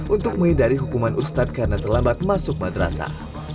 untuk menghindari hukuman ustadz karena terlambat masuk madrasah